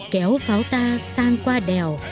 kéo pháo ta sang qua đèo